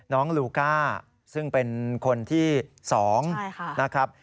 ลูก้าซึ่งเป็นคนที่๒นะครับ